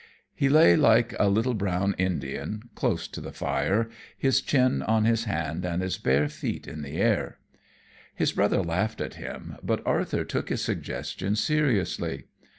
He lay like a little brown Indian, close to the fire, his chin on his hand and his bare feet in the air. His brother laughed at him, but Arthur took his suggestion seriously.